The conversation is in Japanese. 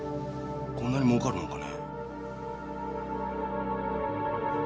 こんなに儲かるのかね？